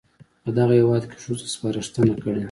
په دغه هېواد کې ښځو ته سپارښتنه کړې